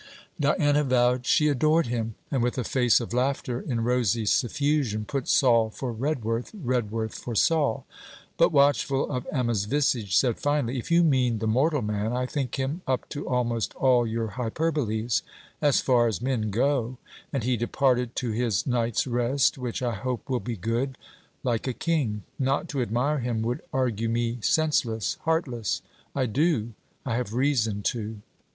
Diana vowed she adored him; and with a face of laughter in rosy suffusion, put Sol for Redworth, Redworth for Sol; but, watchful of Emma's visage, said finally: 'If you mean the mortal man, I think him up to almost all your hyperboles as far as men go; and he departed to his night's rest, which I hope will be good, like a king. Not to admire him, would argue me senseless, heartless. I do; I have reason to.'